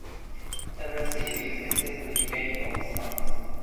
Taiwanese is used extensively in many of the songs.